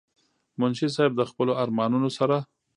منشي صېب د خپلو ارمانونو سره